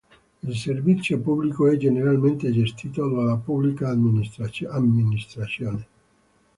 Il servizio pubblico è generalmente gestito dalla pubblica amministrazione.